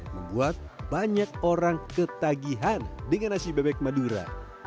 membuat banyak orang ketagihan dengan nasi bebek madura